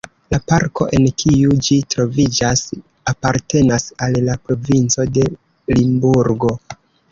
La parko en kiu ĝi troviĝas apartenas al la provinco de Limburgo.